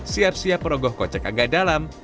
siap siap rogoh kocek agak dalam